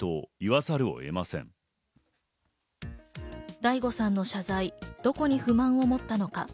ＤａｉＧｏさんの謝罪、どこに不満を持ったのか。